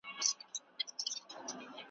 شاه اسماعیل به د شرابو په څښلو کې افراط کاوه.